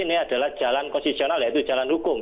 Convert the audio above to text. karena ini adalah jalan konstitusional yaitu jalan hukum